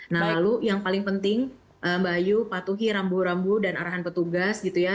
nah lalu yang paling penting mbak ayu patuhi rambu rambu dan arahan petugas gitu ya